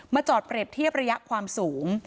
จอดเปรียบเทียบระยะความสูง